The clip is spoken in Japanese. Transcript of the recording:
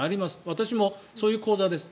私もそういう口座です。